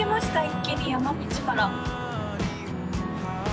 一気に山道から。